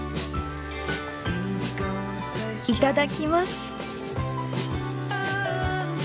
いただきます。